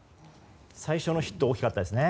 最初のヒット大きかったですね。